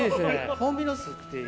ホンビノスっていう。